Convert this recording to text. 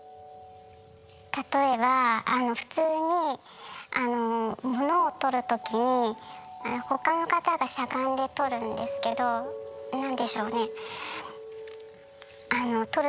例えば普通にものをとるときに他の方がしゃがんでとるんですけどなんでしょうね。